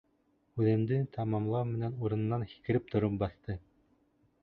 Һүҙемде тамамлау менән урынынан һикереп тороп баҫты: